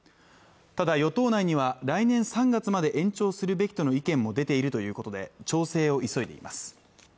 ただ与党内には来年３月まで延長するべきとの意見も出ているということで調整を急いでいます